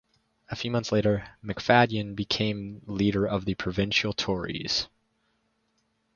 A few months later, McFadyen became leader of the provincial Tories.